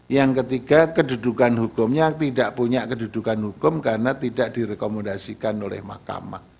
yang ketiga kedudukan hukumnya tidak punya kedudukan hukum karena tidak direkomendasikan oleh mahkamah